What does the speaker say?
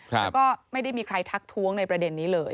แล้วก็ไม่ได้มีใครทักท้วงในประเด็นนี้เลย